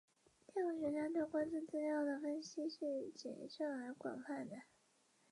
鹬虻科是分类在短角亚目下的虻下目中。